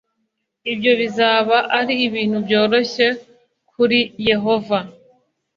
ibyo bizaba ari ibintu byoroshye kuri yehova